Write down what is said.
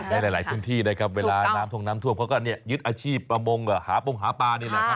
ได้หลายพื้นที่ได้ครับเวลาน้ำทงน้ำท่วมเขาก็ยึดอาชีพประมงหาปรงหาปลา